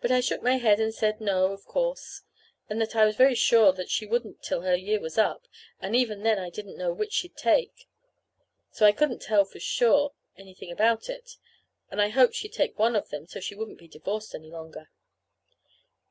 But I shook my head and said no, of course; and that I was very sure she wouldn't till her year was up, and even then I didn't know which she'd take, so I couldn't tell for sure anything about it. But I hoped she'd take one of them, so she wouldn't be divorced any longer.